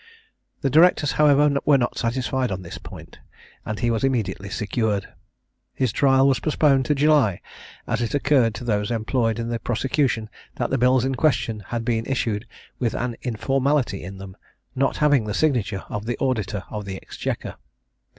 The Directors, however, were not satisfied on this point, and he was immediately secured. His trial was postponed to July, as it occurred to those employed in the prosecution that the bills in question had been issued with an informality in them, not having the signature of the Auditor of the Exchequer.